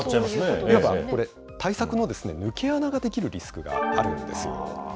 いわば、これ、対策の抜け穴が出来るリスクがあるんですよ。